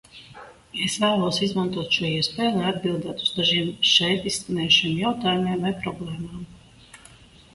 Es vēlos izmantot šo iespēju, lai atbildētu uz dažiem šeit izskanējušiem jautājumiem vai problēmām.